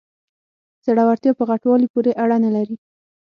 زړورتیا په غټوالي پورې اړه نلري.